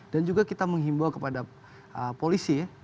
dan juga kita mengimbau kepada polisi